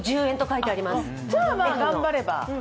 じゃあ、まあ頑張れば。